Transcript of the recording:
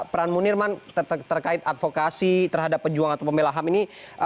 peran munirman terkait advokasi terhadap pejuang atau pembelahan ini